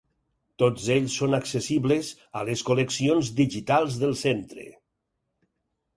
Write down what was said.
Tots ells són accessibles a les col·leccions digitals del Centre.